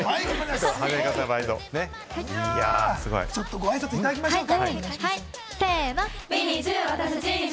ご挨拶いただきましょうか。